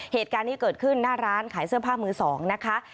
เหตุการณ์นี้เกิดขึ้นหน้าร้านขายเสื้อผ้ามือสองนะคะ